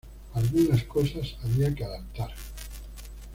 Algunas cosas había que adaptar.